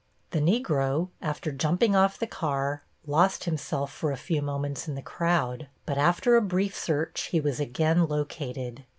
The Negro, after jumping off the car, lost himself for a few moments in the crowd, but after a brief search he was again located.